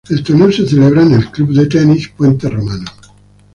El torneo se celebraba en Club de Tenis Puente Romano.